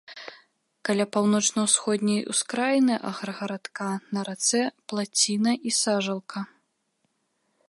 Каля паўночна-ўсходняй ускраіны аграгарадка на рацэ плаціна і сажалка.